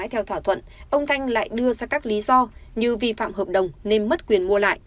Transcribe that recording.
theo thỏa thuận ông thanh lại đưa ra các lý do như vi phạm hợp đồng nên mất quyền mua lại